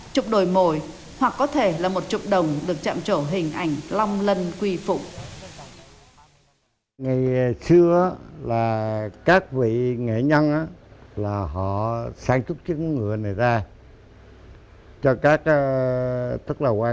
chục đồi mồi hoặc có thể là một trục đồng được chạm trổ hình ảnh long lân quy phụ